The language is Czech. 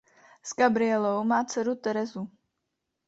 S Gabrielou má dceru Terezu.